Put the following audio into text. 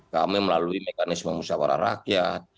kami melalui mekanisme musyawarah rakyat